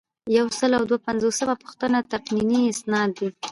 یو سل او دوه پنځوسمه پوښتنه تقنیني اسناد دي.